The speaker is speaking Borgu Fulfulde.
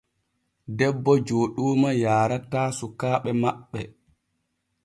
Debbo Jooɗooma yaarataa sukaaɓe maɓɓe.